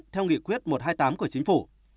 theo nghị quyết một trăm hai mươi tám của chính phủ